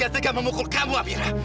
saya tidak akan segera memukul kamu amira